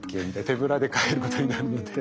手ぶらで帰ることになるので。